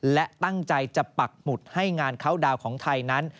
และตั้งใจจะปักหมุดให้งานเข้าดาวน์ของไทยนั้น